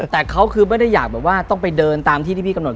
แต่เขาคือไม่ได้อยากแบบว่าต้องไปเดินตามที่ที่พี่กำหนด